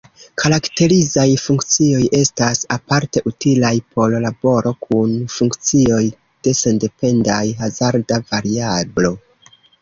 Karakterizaj funkcioj estas aparte utilaj por laboro kun funkcioj de sendependaj hazarda variablo.